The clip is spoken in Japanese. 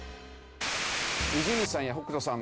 伊集院さんや北斗さん